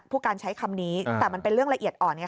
ผู้การใช้คำนี้แต่มันเป็นเรื่องละเอียดอ่อนไง